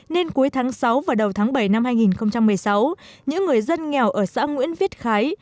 nên cuối tháng sáu và đầu tháng bảy năm hai nghìn một mươi sáu những người dân nghèo ở xã nguyễn viết khái